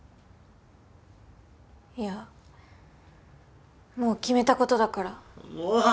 いやもう決めたことだからもう！